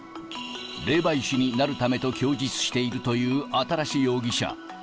霊媒師になるためと供述しているという新容疑者。